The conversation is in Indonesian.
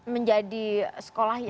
menjadi sekolah ya